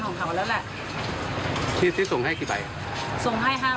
ของเขาแล้วแหละที่ที่ส่งให้กี่ใบส่งให้ห้า